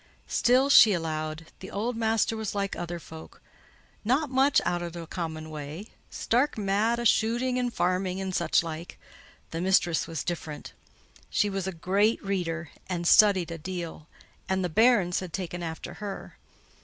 Still, she allowed, "the owd maister was like other folk—naught mich out o' t' common way: stark mad o' shooting, and farming, and sich like." The mistress was different. She was a great reader, and studied a deal; and the "bairns" had taken after her.